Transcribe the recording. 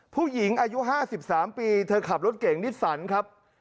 ผู้หญิงอายุ๕๓ปีเธอขับรถเก่งนิสสันครับ